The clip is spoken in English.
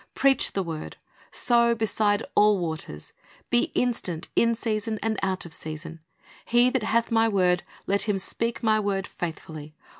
"Preach the word." "Sow beside all waters." "Be instant in season, out of season." "He that hath My word, let him speak My word faithfully.